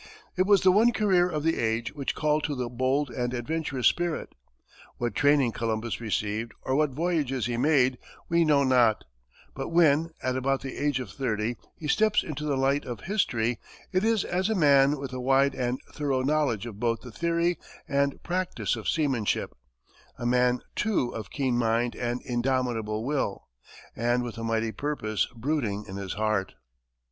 It was the one career of the age which called to the bold and adventurous spirit. What training Columbus received or what voyages he made we know not; but when, at about the age of thirty, he steps into the light of history, it is as a man with a wide and thorough knowledge of both the theory and practice of seamanship; a man, too, of keen mind and indomitable will, and with a mighty purpose brooding in his heart.